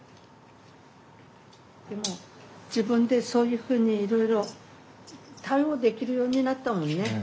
でも自分でそういうふうにいろいろ対応できるようになったもんね。